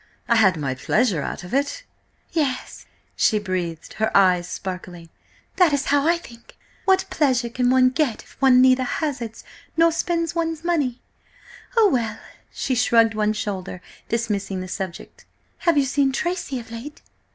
I had my pleasure out of it." "Yes!" she breathed, her eyes sparkling. "That is how I think! What pleasure can one get if one neither hazards nor spends one's money? Oh, well!" She shrugged one shoulder, dismissing the subject. "Have you seen Tracy of late?"